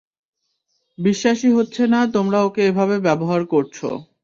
বিশ্বাসই হচ্ছে না তোমরা ওকে এভাবে ব্যবহার করছো।